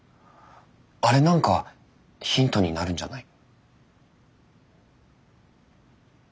あれなんかヒントになるんじゃない？